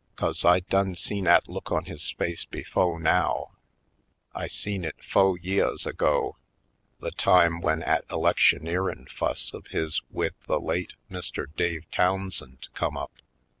" 'Cause I done seen 'at look on his face befo' now; I seen it fo' yeahs ago, the time w'en 'at electioneerin' fuss of his wid the late Mr. Dave Townsend come up.